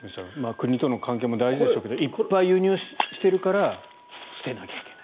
国との関係も大事ですけどいっぱい輸入しているから捨てなきゃいけない。